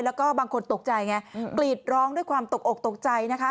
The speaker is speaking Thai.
แล้วก็บางคนตกใจไงกรีดร้องด้วยความตกอกตกใจนะคะ